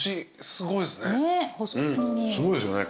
すごいですよね